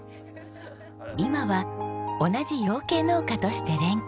今は同じ養鶏農家として連携。